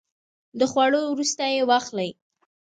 د خوړو وروسته یی واخلئ